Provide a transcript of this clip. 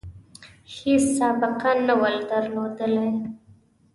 هیڅ سابقه نه وه درلودلې.